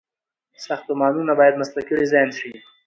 ساختمانونه باید مسلکي ډيزاين شي.